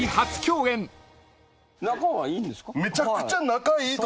仲はいいんですか？